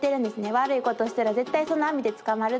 悪いことしたら絶対その網で捕まるっていう。